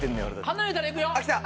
離れたらいくよ。